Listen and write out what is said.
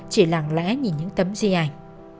chỉ lặng lẽ nhìn những tấm di ảnh